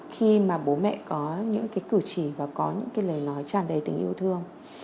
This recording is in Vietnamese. khi mà bố mẹ có những cái cử chỉ và có những cái lời nói tràn đầy tình yêu thương